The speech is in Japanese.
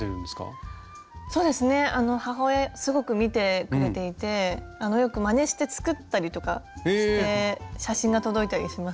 そうですね母親すごく見てくれていてよくまねして作ったりとかして写真が届いたりします。